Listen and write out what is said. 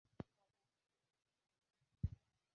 বাবা আছে তো তোমার পাশে!